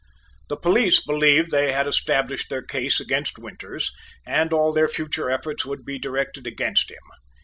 The police believed they had established their case against Winters and all their future efforts would be directed against him.